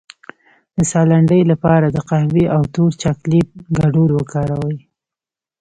د ساه لنډۍ لپاره د قهوې او تور چاکلیټ ګډول وکاروئ